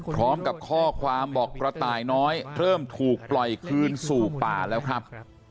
พร้อมกับข้อความบอกกระต่ายน้อยเริ่มถูกปล่อยคืนสู่ป่าแล้วครับ